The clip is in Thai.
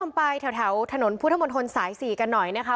แล้วเริ่มต้องไปแถวแถวแถวน้ำถนนพลูธรมณ์ฝนสาย๔กันหน่อยนะคะ